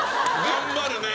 頑張るね。